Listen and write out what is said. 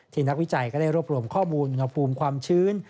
นักวิจัยก็ได้รวบรวมข้อมูลอุณหภูมิความชื้น